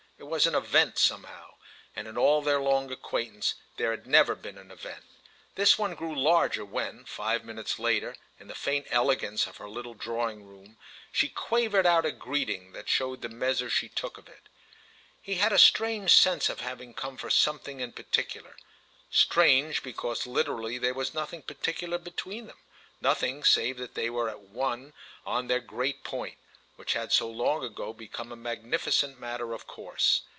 It was an event, somehow; and in all their long acquaintance there had never been an event. This one grew larger when, five minutes later, in the faint elegance of her little drawing room, she quavered out a greeting that showed the measure she took of it. He had a strange sense of having come for something in particular; strange because literally there was nothing particular between them, nothing save that they were at one on their great point, which had long ago become a magnificent matter of course.